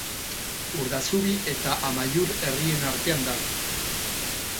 Urdazubi eta Amaiur herrien artean dago.